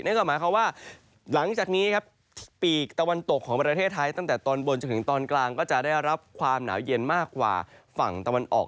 ก็หมายความว่าหลังจากนี้ครับปีกตะวันตกของประเทศไทยตั้งแต่ตอนบนจนถึงตอนกลางก็จะได้รับความหนาวเย็นมากกว่าฝั่งตะวันออก